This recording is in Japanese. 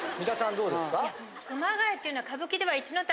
どうですか？